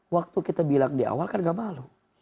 waktu kita bilang di awal kan gak malu